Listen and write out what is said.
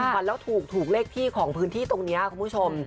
ฝันแล้วถูกเลขที่ของพื้นที่ตรงนี้คุณผู้ชม